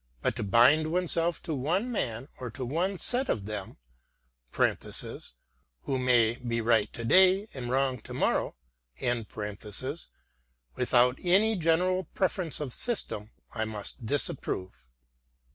But to bind oneself to one man or one set of men (who may be right to day and wrong to morrow) without any general preference of system I must disapprove."